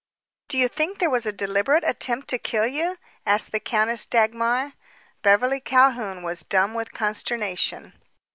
"Do you think there was a deliberate attempt to kill you?" asked the Countess Dagmar. Beverly Calhoun was dumb with consternation.